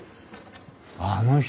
あの人